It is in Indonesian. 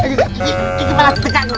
ini malah sedekat